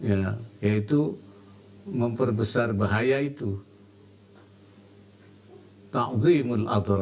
oh ya yaitu memperbesar bahaya itu hai takzim al adhar